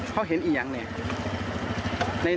เขาเห็นเอียงเนี่ย